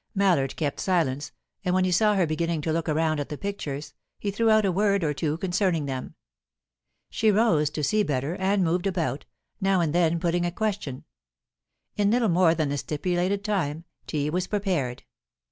Mallard kept silence, and when he saw her beginning to look around at the pictures, he threw out a word or two concerning them. She rose, to see better, and moved about, now and then putting a question In little more than the stipulated time, tea was prepared.